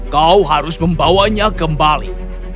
kau harus membawanya kembali